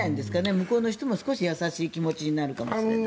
向こうの人も少し優しい気持ちになるかもしれない。